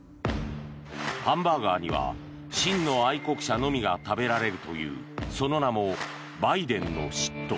ハンバーガーには真の愛国者のみが食べられるというその名もバイデンの嫉妬。